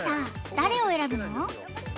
誰を選ぶの？